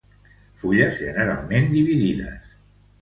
Fulles generalment dividides.